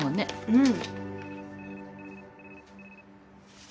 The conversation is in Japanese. うん。